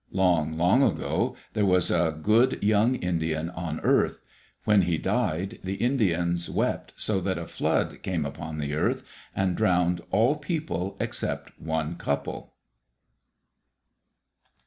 Long, long ago, there was a good young Indian on earth. When he died the Indians wept so that a flood came upon the earth, and drowned all people except one couple.